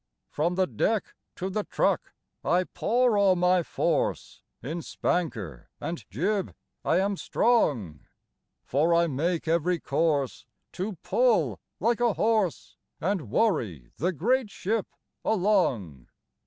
From the deck to the truck I pour all my force, In spanker and jib I am strong; For I make every course to pull like a horse And worry the great ship along.